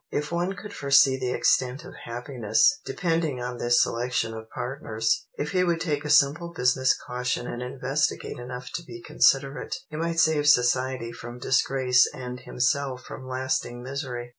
If one could foresee the extent of happiness depending on this selection of partners, if he would take a simple business caution and investigate enough to be considerate, he might save society from disgrace and himself from lasting misery.